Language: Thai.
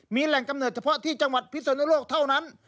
มีแหล่งกำเนิดเฉพาะที่จังหวัดพิศนโลกเท่านั้น